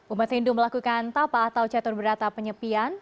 umat hindu melakukan tapa atau catur berata penyepian